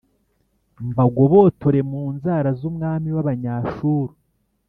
mbagobotore mu nzara z’umwami w’Abanyashuru